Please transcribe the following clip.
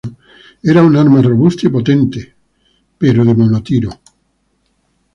Era un arma robusta y potente, pero monotiro.